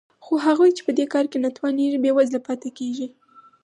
خو هغوی چې په دې کار نه توانېږي بېوزله پاتې کېږي